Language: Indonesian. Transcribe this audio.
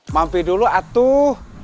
mampir dulu atuh